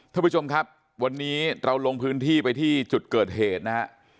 ท่านผู้ชมครับวันนี้เราลงพื้นที่ไปที่จุดเกิดเหตุนะฮะ